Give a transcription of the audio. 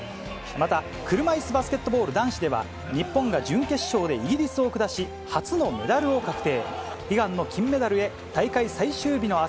また、車いすバスケットボール男子では、日本が準決勝でイギリスを下し、初のメダルを確定。